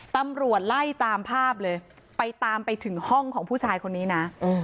ตำรวจไล่ตามภาพเลยไปตามไปถึงห้องของผู้ชายคนนี้นะ